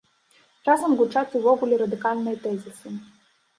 Часам гучаць увогуле радыкальныя тэзісы.